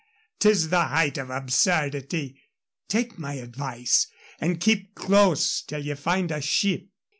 'Tis the height of absurdity. Take my advice and keep close till ye find a ship.